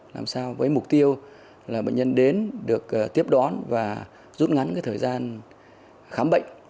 làm sao với mục tiêu là bệnh nhân đến được tiếp đón và rút ngắn thời gian khám bệnh